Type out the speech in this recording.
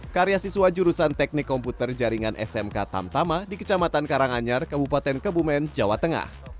karya siswa jurusan teknik komputer jaringan smk tamtama di kecamatan karanganyar kabupaten kebumen jawa tengah